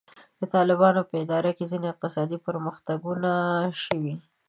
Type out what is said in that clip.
د طالبانو په اداره کې ځینې اقتصادي پرمختګونه شوي.